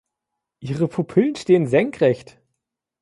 Ihre Pupillen stehen senkrecht.